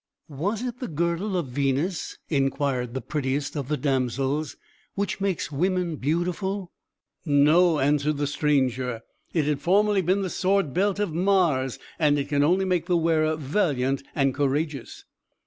"Was it the girdle of Venus," inquired the prettiest of the damsels, "which makes women beautiful?" "No," answered the stranger. "It had formerly been the sword belt of Mars; and it can only make the wearer valiant and courageous."